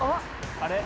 ・あれ？